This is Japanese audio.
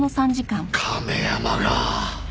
亀山が。